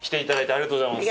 ありがとうございます。